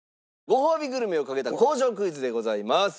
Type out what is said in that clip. ごほうびグルメをかけた工場クイズでございます。